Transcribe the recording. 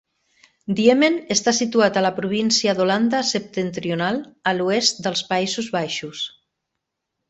Diemen està situat a la província d'Holanda Septentrional, a l'oest dels Països Baixos.